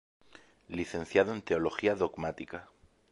Licenciado en Teología dogmática.